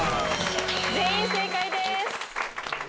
全員正解です。